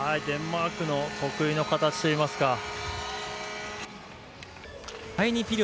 デンマークの得意の形といいますか。